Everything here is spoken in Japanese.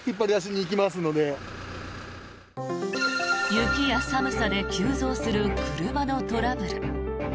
雪や寒さで急増する車のトラブル。